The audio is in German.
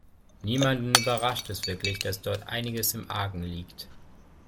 Niemanden überrascht es wirklich, dass dort einiges im Argen liegt.